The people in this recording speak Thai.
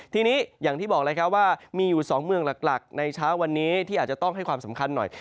ทีนี้อย่างที่บอกเลยครับว่ามีอยู่๒เมืองหลักในเช้าวันนี้ที่อาจจะต้องให้ความสำคัญหน่อย